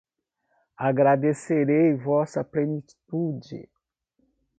Agradecerei vossa plenitude